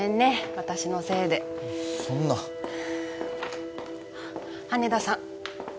私のせいでそんな羽田さん